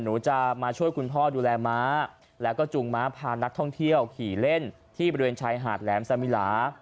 หนูจะมาช่วยคุณพ่อดูแลม้าแล้วก็จูงม้าพานักท่องเที่ยวขี่เล่นที่บริเวณชายหาดแหลมสมิลา